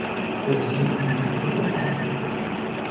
Estos tienen una figura de autoridad.